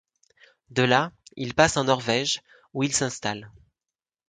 De là, il passe en Norvège, où il s'installe.